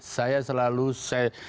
saya selalu saya sampaikan sejarah